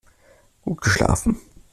Gut geschlafen?